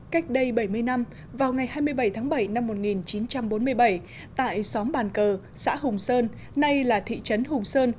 cách đây bảy mươi năm vào ngày hai mươi bảy tháng bảy năm một nghìn chín trăm bốn mươi bảy tại xóm bàn cờ xã hùng sơn nay là thị trấn hùng sơn